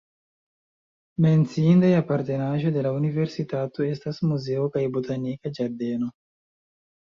Menciinda apartenaĵo de la universitato estas muzeo kaj botanika ĝardeno.